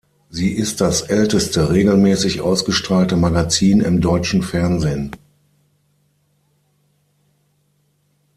Sie ist das älteste regelmäßig ausgestrahlte Magazin im deutschen Fernsehen.